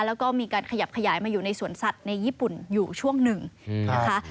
แล้วก็มีการขยับขยายมาอยู่ในสวนสัตว์ในญี่ปุ่นอยู่ช่วงหนึ่งนะคะ